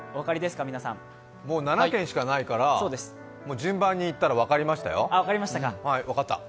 もう７県しかないから順番にいったら分かりましたよ。